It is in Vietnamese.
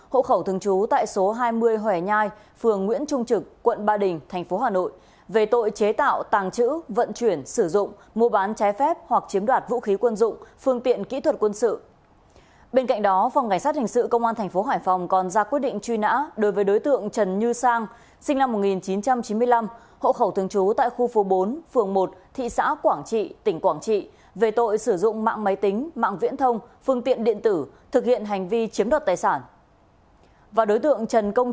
hậu khẩu thường trú tại số hai mươi hòe nhai phường nguyễn trung trực quận ba đình tp hà nội về tội chế tạo tàng trữ vận chuyển sử dụng mua bán trái phép hoặc chiếm đoạt vũ khí quân dụng phương tiện kỹ thuật quân dụng phương tiện kỹ thuật quân dụng